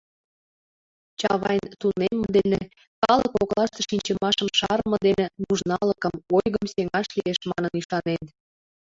Чавайн тунемме дене, калык коклаште шинчымашым шарыме дене нужналыкым, ойгым сеҥаш лиеш манын ӱшанен.